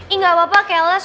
ih gak apa apa keles